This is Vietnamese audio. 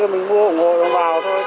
thôi mình mua ổng hộ vào thôi